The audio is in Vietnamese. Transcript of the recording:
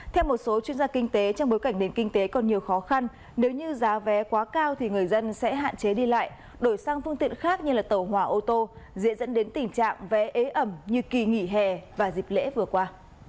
theo một số chuyên gia kinh tế trong bối cảnh nền kinh tế còn nhiều khó khăn nếu như giá vé quá cao thì người dân sẽ hạn chế đi lại đổi sang phương tiện khác như tàu hỏa ô tô dễ dẫn đến tình trạng vé ế ẩm như kỳ nghỉ hè và dịp lễ vừa qua